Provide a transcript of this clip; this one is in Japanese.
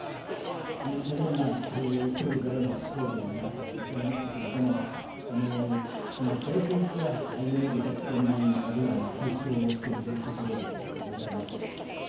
ただいま総理からも答弁がございましたけれども、この税制上は、いわゆる１０３万円の壁はもう解消をしているところでございます。